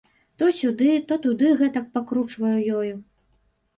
То сюды, то туды гэтак пакручвае ёю.